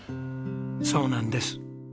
そうなんです。